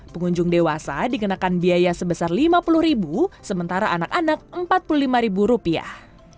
pengunjung dewasa dikenakan biaya sebesar lima puluh ribu sementara anak anak empat puluh lima rupiah